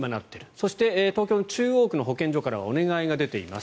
そして東京の中央区の保健所からお願いが出ています。